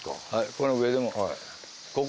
この上で。